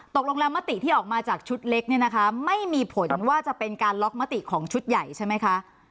ตกลงแล้วมติที่ออกมาจากชุดเล็กเนี่ยนะคะไม่มีผลว่าจะเป็นการล็อกมติของชุดใหญ่ใช่ไหมคะ